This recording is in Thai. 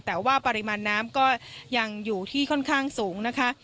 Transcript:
แต่ว่าปริมาณน้ำก็ยังอยู่ที่ค่อนข้างสูงนะคะ